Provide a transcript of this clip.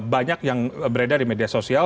banyak yang beredar di media sosial